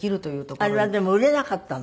あれはでも売れなかったの？